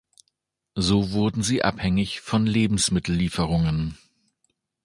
So wurden sie abhängig von Lebensmittellieferungen.